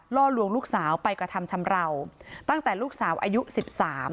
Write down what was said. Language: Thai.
ล่อลวงลูกสาวไปกระทำชำราวตั้งแต่ลูกสาวอายุสิบสาม